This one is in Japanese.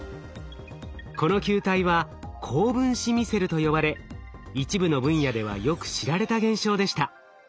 この球体は高分子ミセルと呼ばれ一部の分野ではよく知られた現象でした。